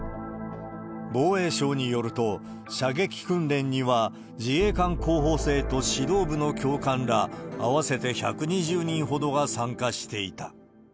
防衛省によると、射撃訓練には自衛官候補生と指導部の教官ら合わせて１２０人ほどが参加していた。